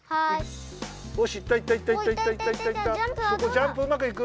ジャンプうまくいく？